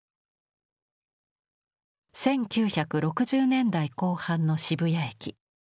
１９６０年代後半の渋谷駅。